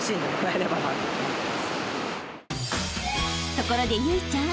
［ところで有以ちゃん］